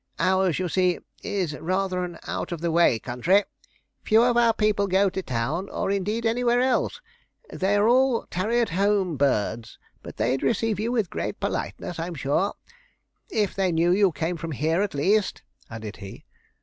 Ours, you see, is rather an out of the way country; few of our people go to town, or indeed anywhere else; they are all tarry at home birds. But they'd receive you with great politeness, I'm sure if they knew you came from here, at least,' added he.